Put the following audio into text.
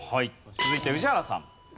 続いて宇治原さん。